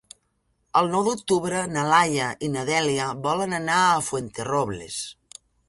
El nou d'octubre na Laia i na Dèlia volen anar a Fuenterrobles.